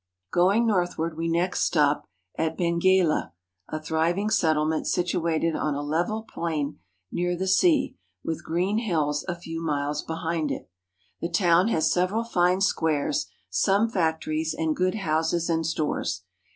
"328 AFRICA Going northward, we next stop at Benguela (b^n ga'la), a thriving settlement situated on a level plain near the sea, with green hills a few miles hehind it. The town has several fine squares, some factories, and good houses and stores.